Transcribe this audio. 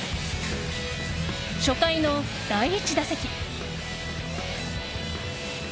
初回の第１打席。